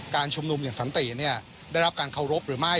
ชุมนุมอย่างสันติได้รับการเคารพหรือไม่